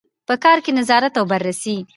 په کار کې نظارت او بررسي.